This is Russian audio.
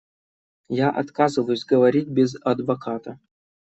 Я отказываюсь говорить без адвоката.